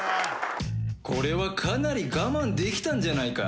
これはかなりガマンできたんじゃないか？